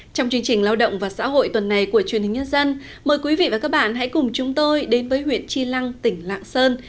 trong chương trình lao động và xã hội tuần này của truyền hình nhân dân mời quý vị và các bạn hãy cùng chúng tôi đến với huyện chi lăng tỉnh lạng sơn